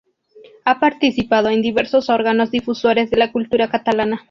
Ha participado en diversos órganos difusores de la cultura catalana.